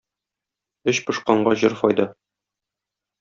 Эч пошканга җыр файда.